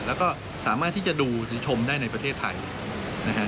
แล้วก็สามารถที่จะดูถึงชมได้ในประเทศไทยนะฮะ